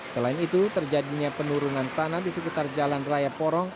selain itu terjadinya penurunan tanah di sekitar jalan raya porong